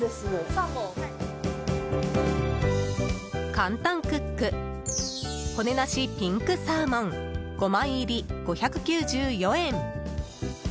簡単クック骨なしピンクサーモン５枚入り、５９４円。